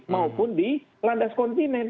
maupun di landas kontinen